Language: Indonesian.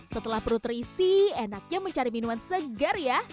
setelah perut terisi enaknya mencari minuman segar ya